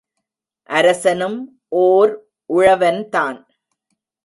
அரசனும் ஓர் உழவன்தான்.